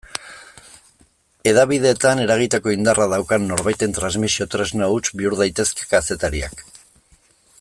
Hedabideetan eragiteko indarra daukan norbaiten transmisio-tresna huts bihur daitezke kazetariak.